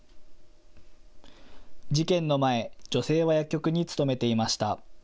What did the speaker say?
事件の前、女性は薬局に勤めていました。